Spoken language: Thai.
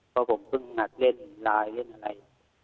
เพราะผมเพิ่งนัดเล่นไลน์เล่นอะไร